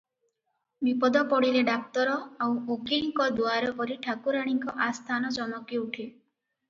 ବିପଦ ପଡ଼ିଲେ ଡାକ୍ତର ଆଉ ଓକିଲଙ୍କ ଦୁଆରପରି ଠାକୁରାଣୀଙ୍କ ଆସ୍ଥାନ ଚମକିଉଠେ ।